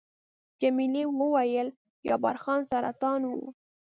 جميلې وويل:، جبار خان سرطان وو؟